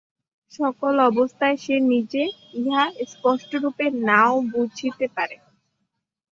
সকল অবস্থায় সে নিজে ইহা স্পষ্টরূপে না-ও বুঝিতে পারে।